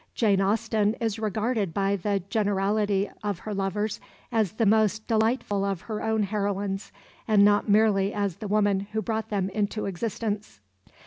Jane Austen is regarded by the generality of her lovers as the most delightful of her own heroines, and not merely as the woman who brought them into existence.